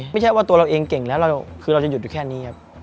ไม่ใช่ว่าตัวเราเองเก่งแล้วคือเราจะหยุดอยู่แค่นี้ครับ